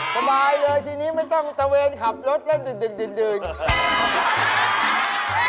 สบายเลยที่นี่ไม่ต้องตะเวยนขับรถเล่นดื่นนี่ดืนนี่